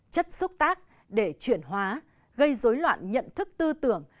chất xúc tác để chuyển hóa gây dối loạn nhận thức tư tưởng